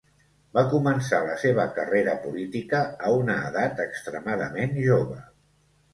Va començar la seva carrera política a una edat extremadament jove.